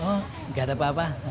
oh gak ada apa apa